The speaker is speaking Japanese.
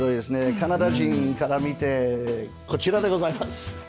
カナダ人から見てこちらでございます。